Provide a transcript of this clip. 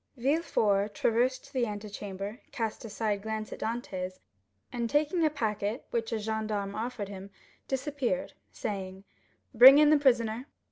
Villefort traversed the antechamber, cast a side glance at Dantès, and taking a packet which a gendarme offered him, disappeared, saying, "Bring in the prisoner."